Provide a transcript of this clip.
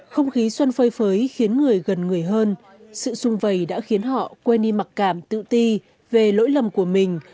không khí xoăn phơi phới khiến người gần người hơn sự sung vầy đã khiến họ quen đi mặc cảm tự ti về lỗi lầm của mình